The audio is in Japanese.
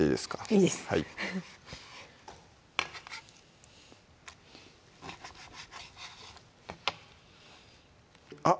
いいですはいあっ！